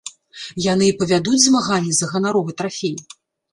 Яны і павядуць змаганне за ганаровы трафей.